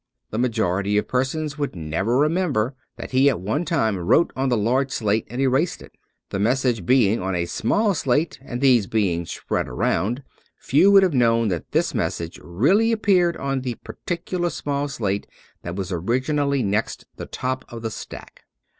The majority of persons would never remember that he at one time wrote on the large slate and erased it. The message being on a small slate, and these being spread around, few would have known that this message really appeared on the particular small slate that was originally next the top of the stack.